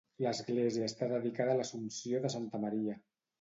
L'església està dedicada a l'Assumpció de Santa Maria.